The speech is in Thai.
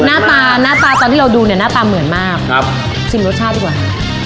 หน้าตาหน้าตาตอนที่เราดูเนี่ยหน้าตาเหมือนมากครับชิมรสชาติดีกว่า